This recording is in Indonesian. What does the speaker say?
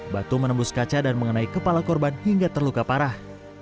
batu menembus kaca dan mengenai kepala korban hingga terluka parah